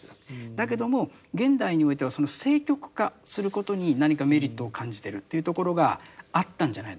だけども現代においてはその政局化することに何かメリットを感じてるというところがあったんじゃないだろうか。